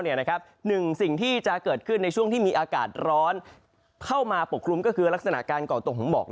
หนึ่งสิ่งที่จะเกิดขึ้นในช่วงที่มีอากาศร้อนเข้ามาปกคลุมก็คือลักษณะการก่อตัวของหมอก